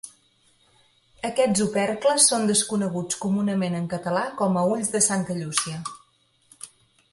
Aquests opercles són desconeguts comunament en català com a ulls de Santa Llúcia.